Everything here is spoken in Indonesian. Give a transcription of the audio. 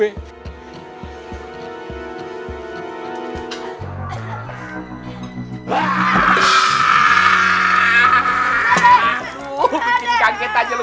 aduh bikin kaget aja loh